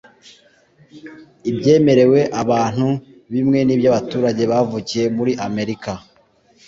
n ibyemerewe abantu bimwe n iby abaturage bavukiye muri Amerika